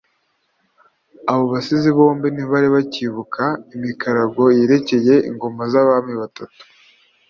Abo basizi bombi ntibari bacyibuka imikarago yerekeye ingoma z’Abami batatu